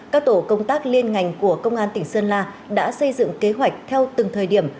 các tổ công tác liên ngành của công an tỉnh sơn la đã xây dựng kế hoạch theo từng thời điểm